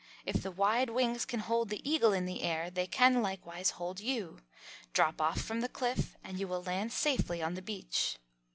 If the wide wings can hold the Eagle in the air they can likewise hold you. Drop off from the cliff and you will land safely on the beach."